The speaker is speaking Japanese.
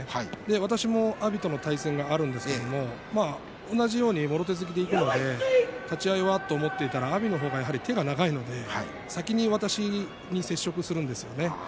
私は阿炎との対戦があるんですけれども同じようにもろ手突きでいくので立ち合い、阿炎の方が手が長いので先に私に接触するんですよね。